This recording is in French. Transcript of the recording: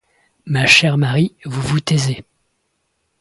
Ma chère Marie, vous vous taisez.